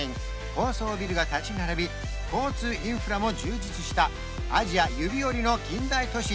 高層ビルが立ち並び交通インフラも充実したアジア指折りの近代都市